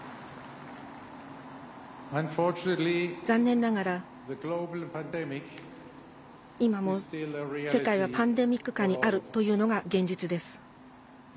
残念ながら、今も世界はパンデミック下にあるというのが現実です。